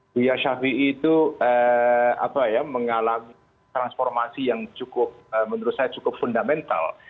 buya syafiee itu apa ya mengalami transformasi yang cukup menurut saya cukup fundamental